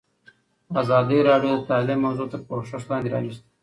ازادي راډیو د تعلیم موضوع تر پوښښ لاندې راوستې.